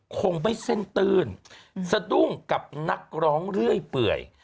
คงไม่เส้นตื้นสะดุ้งกับนักร้องเรื่อยเปื่อย